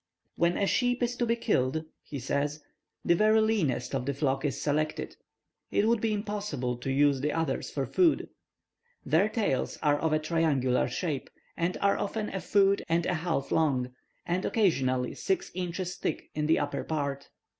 "When a sheep is to be killed," he says, "the very leanest of the flock is selected. It would be impossible to use the others for food. Their tails are of a triangular shape, and are often a foot and a half long, and occasionally six inches thick in the upper part.